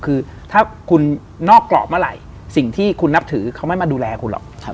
คือถ้าคุณนอกกรอบเมื่อไหร่สิ่งที่คุณนับถือเขาไม่มาดูแลคุณหรอก